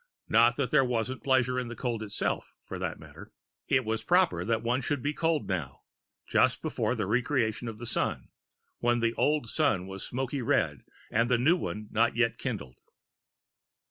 Not that there wasn't pleasure in the cold itself, for that matter. It was proper that one should be cold now, just before the re creation of the Sun, when the old Sun was smoky red and the new one not yet kindled.